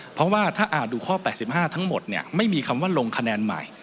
เพราะว่าถ้าดูข้อ๘๕ทั้งหมดไม่มีคำว่าลงคะแนนใหม่